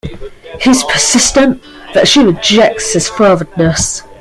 He's persistent, but she rejects his forwardness.